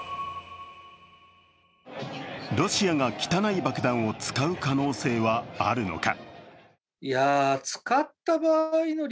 ロシアが汚い爆弾を使う可能性はあるのか。